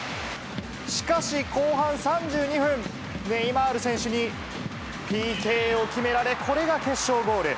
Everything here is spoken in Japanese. しかし後半３２分、ネイマール選手にＰＫを決められ、これが決勝ゴール。